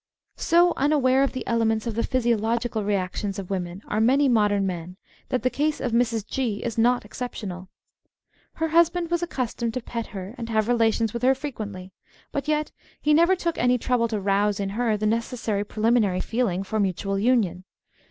So unaware of the elements of the physiological reactions of women are many modern men that the case of Mrs. G. is not exceptional. Her husband was accustomed to pet her and have relations with her frequently, but yet he never took any trouble to rouse in her the necessary preliminary feeling for mutual union.